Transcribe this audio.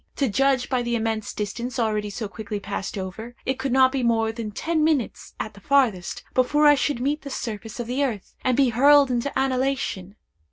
To judge by the immense distance already so quickly passed over, it could not be more than ten minutes, at the farthest, before I should meet the surface of the earth, and be hurled into annihilation!